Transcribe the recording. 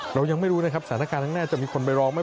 เรายังไม่รู้นะครับสถาาการตรงแน่จะมีคนไปรอไหม